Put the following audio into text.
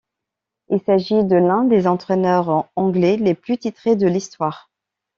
Il s'agit de l'un des entraîneurs anglais les plus titrés de l'histoire.